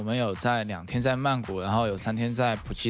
เราอยู่ที่ที่นี่แมนกุอีกที่ห้องที่ก็ทำรนกอะไร